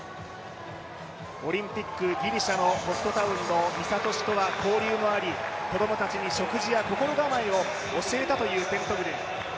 オリンピックギリシャのホストタウンの三郷市とは交流もあり、子供たちに食事や心構えを教えたというテントグル。